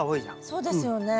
そうですよね。